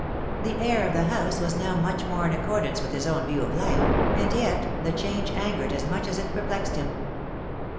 The air of the house was now much more in accordance with his own view of life, and yet the change angered as much as it perplexed him.